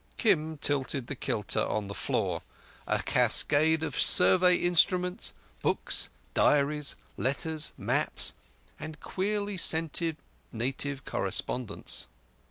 Kim tilted the kilta on the floor—a cascade of Survey instruments, books, diaries, letters, maps, and queerly scented native correspondence.